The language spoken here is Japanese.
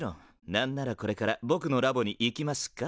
何ならこれからぼくのラボに行きますか？